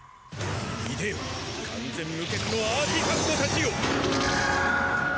いでよ完全無欠のアーティファクトたちよ。